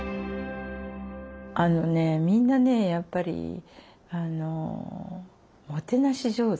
あのねみんなねやっぱりもてなし上手。